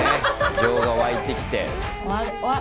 情が湧いてきて。